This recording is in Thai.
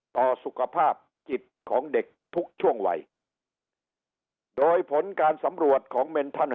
ต่อสุขภาพจิตของเด็กทุกช่วงวัยโดยผลการสำรวจของเมนทัน